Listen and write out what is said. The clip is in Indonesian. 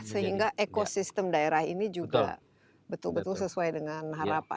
sehingga ekosistem daerah ini juga betul betul sesuai dengan harapan